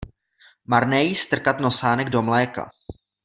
Marné jí strkat nosánek do mléka.